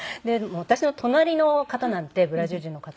私の隣の方なんてブラジル人の方。